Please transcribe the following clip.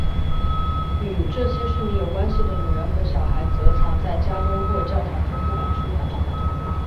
与这些市民有关系的女人和小孩则藏在家中或教堂中不敢出来。